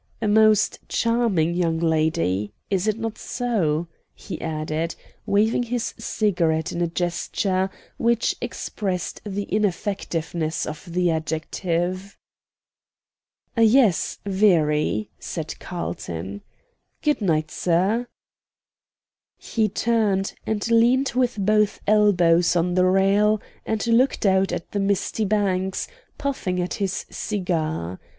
"A most charming young lady. Is it not so?" he added, waving his cigarette in a gesture which expressed the ineffectiveness of the adjective. "Yes, very," said Carlton. "Good night, sir." He turned, and leaned with both elbows on the rail, and looked out at the misty banks, puffing at his cigar.